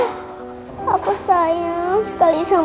ya allah aku sayang sekali sama mama